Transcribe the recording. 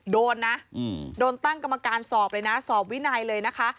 โดนนะโดนตั้งกรรมการสอบเลยนะสอบวินัยเลยนะคะ